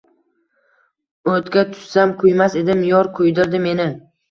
Oʼtga tushsam kuymas edim, yor kuydirdi meni.